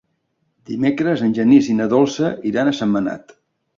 Dimecres en Genís i na Dolça iran a Sentmenat.